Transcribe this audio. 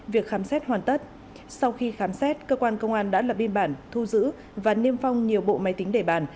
việc khám xét hoàn tất sau khi khám xét cơ quan công an đã lập biên bản thu giữ và niêm phong nhiều bộ máy tính để bàn